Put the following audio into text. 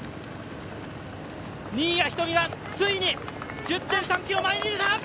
新谷仁美がついに１０．３ｋｍ前に出た！